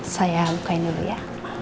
saya bukain dulu ya